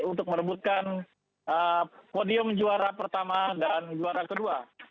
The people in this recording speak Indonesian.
untuk merebutkan podium juara pertama dan juara kedua